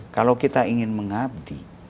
kalau kita ingin mengabdi